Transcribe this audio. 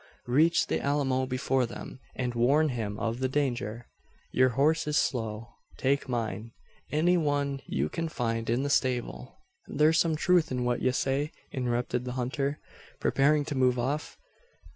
Reach the Alamo before them, and warn him of the danger! Your horse is slow. Take mine any one you can find in the stable " "Thur's some truth in what ye say," interrupted the hunter, preparing to move off.